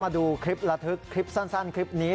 มาดูคลิประทึกคลิปสั้นคลิปนี้